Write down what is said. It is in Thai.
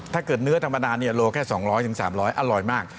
ถ้าเกิดเนื้อธรรมดาเนี่ยโลแค่สองร้อยถึงสามร้อยอร่อยมาก